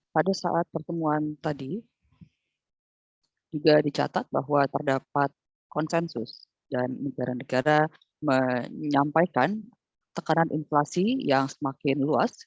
pada saat pertemuan tadi juga dicatat bahwa terdapat konsensus dan negara negara menyampaikan tekanan inflasi yang semakin luas